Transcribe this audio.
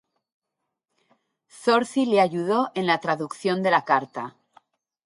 Zorzi le ayudó en la traducción de la carta.